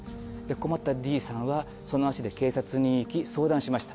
困ったＤさんはその足で警察に行き相談しました。